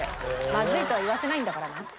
まずいとは言わせないんだからね。